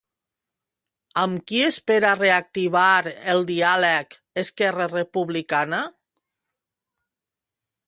Amb qui espera reactivar el diàleg Esquerra Republicana?